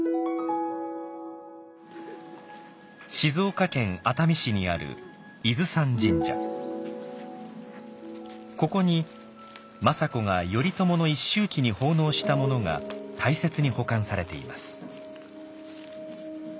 静岡県熱海市にあるここに政子が頼朝の一周忌に奉納したものが大切に保管されています。